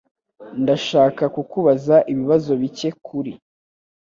Ndashaka kukubaza ibibazo bike kuri .